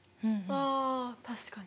あ確かに。